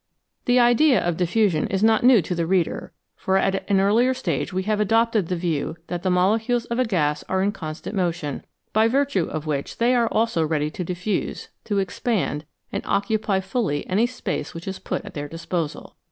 The idea of diffusion is not new to the reader, for at an earlier stage we have adopted the view that the molecules of a gas are in constant motion, by virtue of which they also are ready to diffuse, to expand, and occupy fully any space which is put at their disposal.